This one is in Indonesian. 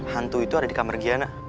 hantu itu ada di kamar giana